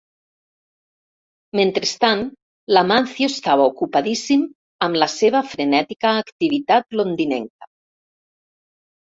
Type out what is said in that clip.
Mentrestant l'Amáncio estava ocupadíssim amb la seva frenètica activitat londinenca.